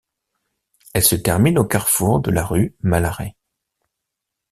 Elle se termine au carrefour de la rue Malaret.